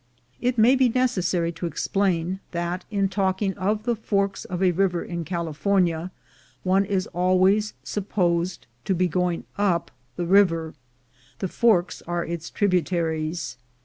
It may be necessary to explain that, in talking of the forks of a river in California, one is always supposed to be going up the river; the forks are its tributaries.